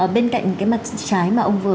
bên cạnh cái mặt trái mà ông vừa